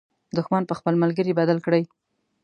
دښمن په خپل ملګري بدل کړئ.